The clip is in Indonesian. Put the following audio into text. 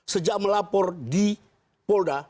sejak melapor di polda